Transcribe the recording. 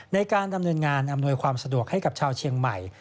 ในการดำเนินงานอำนวยความสะดวกให้กับชาวเชียงใหม่